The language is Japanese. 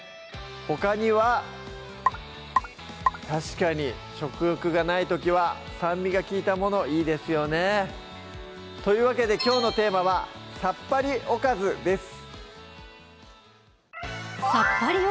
ほかには確かに食欲がない時は酸味が利いたものいいですよねというわけできょうのテーマは「さっぱりおかず」です